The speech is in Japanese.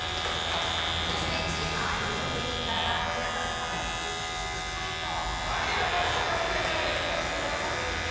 そしてチームアイドルと芸人からは日向坂４６っぽい人はいよろしくお願いいたします